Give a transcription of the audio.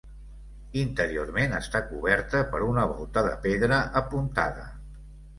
Interiorment està coberta per una volta de pedra apuntada.